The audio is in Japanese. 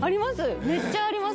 めっちゃあります